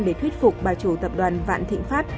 để thuyết phục bà chủ tập đoàn vạn thịnh pháp